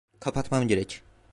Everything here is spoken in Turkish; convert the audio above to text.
Kapatmam gerek.